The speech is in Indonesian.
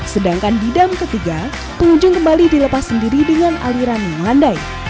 sedangkan di dam ketiga pengunjung kembali dilepas sendiri dengan aliran yang landai